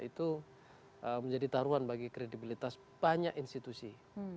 itu menjadi taruhan bagi kredibilitas banyak institusi